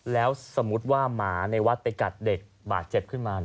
แล้วสมมุติว่าหมาในวัดไปกัดเด็กบาดเจ็บขึ้นมา